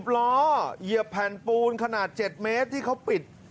ล้อเหยียบแผ่นปูนขนาด๗เมตรที่เขาปิด